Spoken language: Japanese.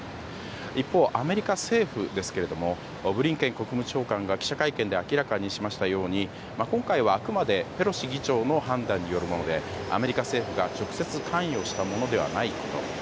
一方、アメリカ政府ですけれどブリンケン国務長官が記者会見で明らかにしましたように今回はあくまでペロシ議長の判断によるものでアメリカ政府が直接関与したものではないこと。